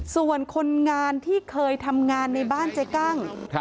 ส่วนคนงานที่เคยทำงานในบ้านเจ๊กั้ง